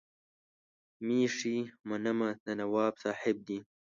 مېښې منمه د نواب صاحب دي.